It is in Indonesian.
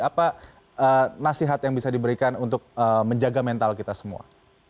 apa nasihat yang bisa diberikan untuk menjaga mental kita semua